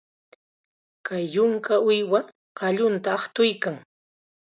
Kay yunka uywa qallunta aqtuykan.